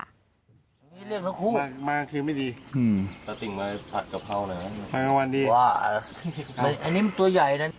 ดูอ่า